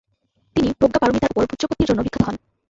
তিনি প্রজ্ঞাপারমিতার ওপর ব্যুৎপত্তির জন্য বিখ্যাত হন।